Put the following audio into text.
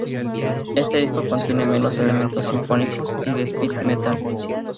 Este disco contiene menos elementos sinfónicos y de "speed metal".